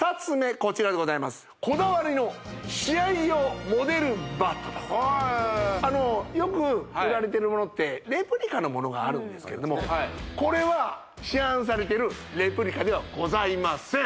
こちらでございますバットとよく売られてるものってレプリカのものがあるんですけれどもこれは市販されているレプリカではございません